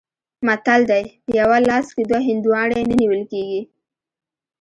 متل دی: په یوه لاس کې دوه هندواڼې نه نیول کېږي.